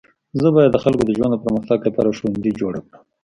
زه باید د خلکو د ژوند د پرمختګ لپاره ښوونځی جوړه کړم.